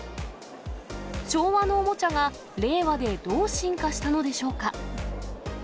昭和のおもちゃが令和でどう進化したのでしょうか。